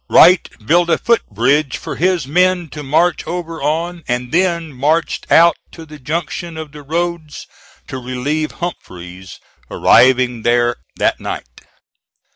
Wright built a foot bridge for his men to march over on and then marched out to the junction of the roads to relieve Humphreys, arriving there that night.